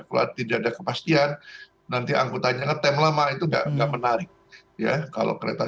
keluar tidak ada kepastian nanti angkutannya ngetem lama itu nggak menarik ya kalau kereta